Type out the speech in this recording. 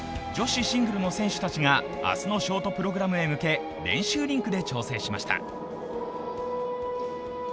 女子シングルの選手たちが明日のショートプログラムへ向け、練習リンクで調整しました。